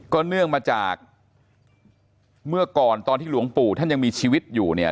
เนื่องมาจากเมื่อก่อนตอนที่หลวงปู่ท่านยังมีชีวิตอยู่เนี่ย